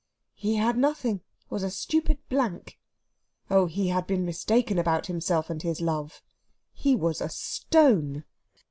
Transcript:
He had nothing was a stupid blank! Oh, he had been mistaken about himself and his love: he was a stone.